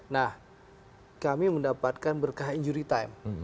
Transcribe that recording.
nah kami mendapatkan berkah injury time